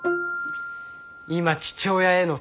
今父親への